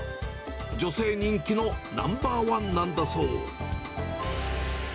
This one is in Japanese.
女性人気のナンバー１なんだそう。